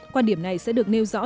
quan điểm này sẽ được nêu rõ